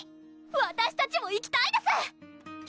わたしたちも行きたいです！